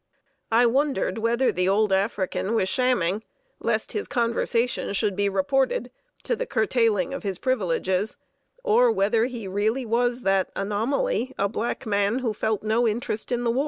I wondered whether the old African was shamming, lest his conversation should be reported, to the curtailing of his privileges, or whether he was really that anomaly, a black man who felt no interest in the war.